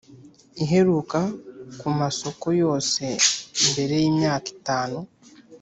iheruka ku masoko yose mbere y’Imyaka itanu